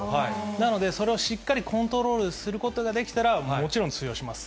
なので、それをしっかりコントロールすることができたらもちろん通用します。